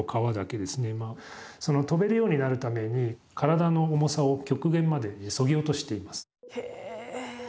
飛べるようになるために体の重さを極限までそぎ落としています。